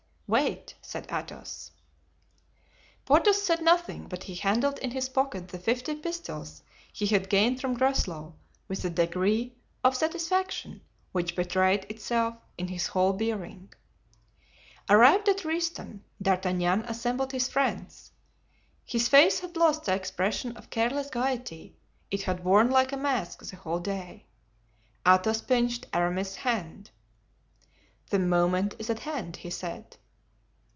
"Wait," said Athos. Porthos said nothing, but he handled in his pocket the fifty pistoles he had gained from Groslow with a degree of satisfaction which betrayed itself in his whole bearing. Arrived at Ryston, D'Artagnan assembled his friends. His face had lost the expression of careless gayety it had worn like a mask the whole day. Athos pinched Aramis's hand. "The moment is at hand," he said.